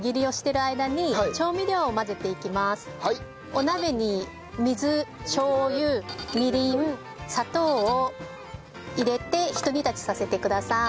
お鍋に水しょう油みりん砂糖を入れてひと煮立ちさせてください。